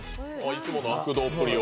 いつもの悪童っぷりを。